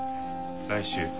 来週。